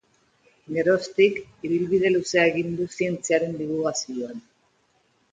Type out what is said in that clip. Geroztik, ibilbide luzea egin du zientziaren dibulgazioan.